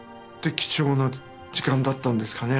貴重な時間だったんですかねえ。